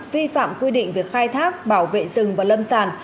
vi phạm quy định việc khai thác bảo vệ rừng và lâm sàn